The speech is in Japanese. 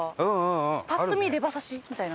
パッと見レバ刺しみたいな。